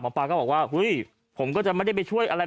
ปลาก็บอกว่าเฮ้ยผมก็จะไม่ได้ไปช่วยอะไร